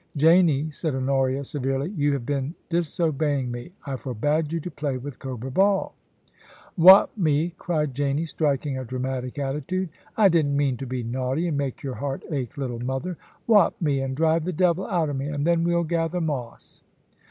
Janie,* said Honoria, severely, * you have been disobey ing me. I forbade you to play with Cobra Ball* * Whop me T cried Janie, striking a dramatic attitude. * I didn't mean to be naughty, and make your heart ache, little mother. Whop me, and drive the devil out of me, and then well gather moss.